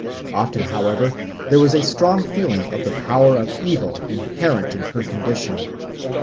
Often, however, there was a strong feeling of the power of evil inherent in her condition.